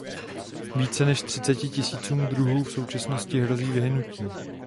Více než třiceti tisícům druhů v současnosti hrozí vyhynutí.